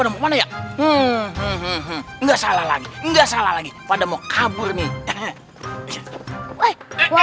nggak salah lagi nggak salah lagi pada mau kabur nih